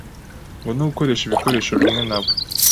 no gukoresha ibikoresho bimwe nabo.